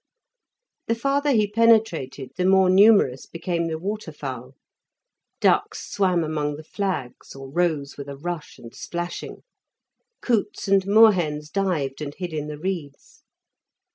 The farther he penetrated the more numerous became the waterfowl. Ducks swam among the flags, or rose with a rush and splashing. Coots and moorhens dived and hid in the reeds.